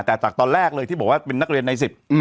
แต่จากตอนแรกเลยที่บอกว่าเป็นนักเรียนใน๑๐